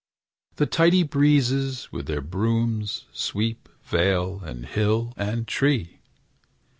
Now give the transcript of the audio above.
The tidy breezes with their brooms Sweep vale, and hill, and tree!